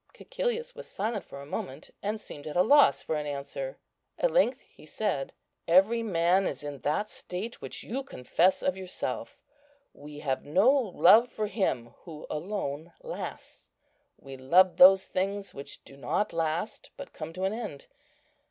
Cæcilius was silent for a moment, and seemed at a loss for an answer. At length he said, "Every man is in that state which you confess of yourself. We have no love for Him who alone lasts. We love those things which do not last, but come to an end.